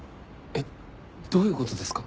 えっどういう事ですか？